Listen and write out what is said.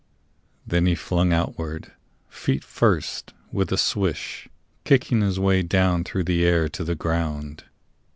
Then he flung outward, feet first, with a swish, Kicking his way down through the air to the ground.